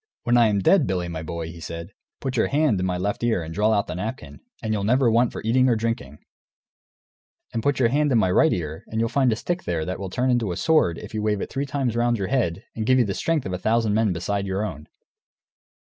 "When I am dead, Billy, my boy," he said, "put your hand in my left ear and draw out the napkin, and you'll never want for eating or drinking; and put your hand in my right ear, and you'll find a stick there, that will turn into a sword if you wave it three times round your head, and give you the strength of a thousand men beside your own.